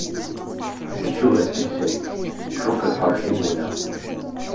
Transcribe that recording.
Ijuhed deg-sen, ifuk lḥerǧ lmuna.